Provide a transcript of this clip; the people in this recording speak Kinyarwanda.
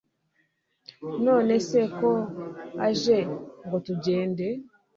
nonese ko aje ngotugende